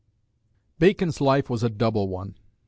Bacon's life was a double one.